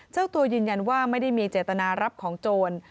เจ้าตัวยืนยันว่าไม่ได้มีเจตนารับของโจร